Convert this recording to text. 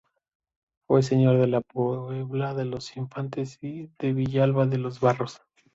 Fue señor de la Puebla de los Infantes y de Villalba de los Barros.